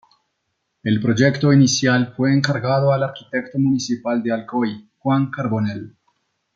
El proyecto inicial fue encargado al arquitecto municipal de Alcoy, Juan Carbonell.